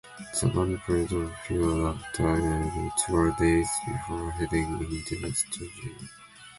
The band played on a few Warped Tour dates before heading into the studio.